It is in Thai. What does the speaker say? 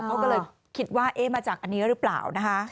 เขาก็เลยคิดว่าเอ๊ะมาจากอันนี้หรือเปล่านะคะ